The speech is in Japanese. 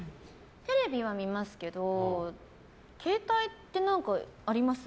テレビは見ますけど携帯って何かあります？